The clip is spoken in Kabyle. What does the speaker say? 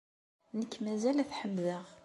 Nekk mazal ad t-ḥemdeɣ.